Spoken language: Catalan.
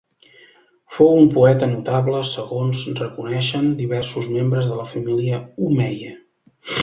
Fou un poeta notable segons reconeixen diversos membres de la família omeia.